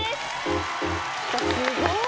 すごい！